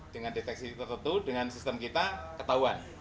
dengan deteksi tertentu dengan sistem kita ketahuan